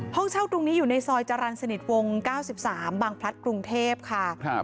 ห้องเช่าตรงนี้อยู่ในซอยจรรย์สนิทวง๙๓บางพลัดกรุงเทพค่ะ